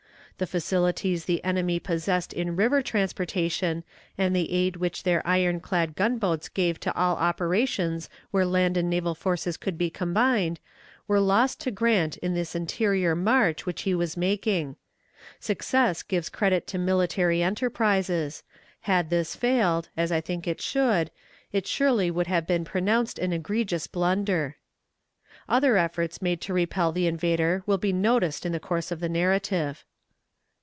The facilities the enemy possessed in river transportation and the aid which their iron clad gunboats gave to all operations where land and naval forces could be combined were lost to Grant in this interior march which he was making. Success gives credit to military enterprises; had this failed, as I think it should, it surely would have been pronounced an egregious blunder. Other efforts made to repel the invader will be noticed in the course of the narrative.